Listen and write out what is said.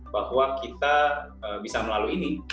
bahwa kita bisa melalui ini